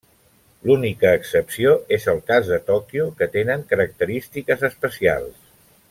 L'única excepció és el cas de Tòquio que tenen característiques especials.